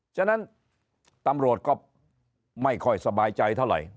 ฉะนั้นตำรวจก็ไม่ค่อยสบายใจเท่าไหร่